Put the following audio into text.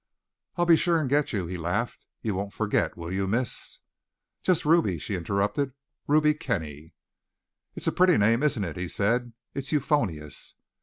"I'll be sure and get you," he laughed. "You won't forget, will you, Miss " "Just Ruby," she interrupted. "Ruby Kenny." "It's a pretty name, isn't it?" he said. "It's euphonious.